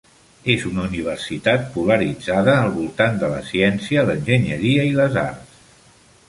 És una universitat polaritzada al voltant de la ciència, l'enginyeria i les arts.